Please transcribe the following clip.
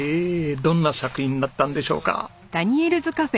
どんな作品になったんでしょうか？